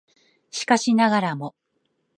しかしながらも